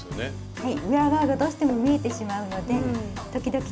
はい。